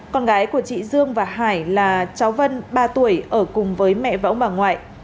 con gái của chị dương và hải là cháu vân ba tuổi ở cùng với mẹ võ bà ngoại